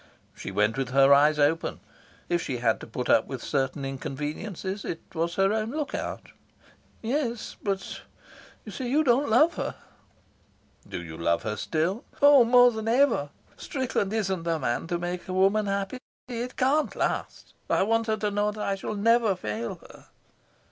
"She went with her eyes open. If she had to put up with certain inconveniences it was her own lookout." "Yes; but, you see, you don't love her." "Do you love her still?" "Oh, more than ever. Strickland isn't the man to make a woman happy. It can't last. I want her to know that I shall never fail her."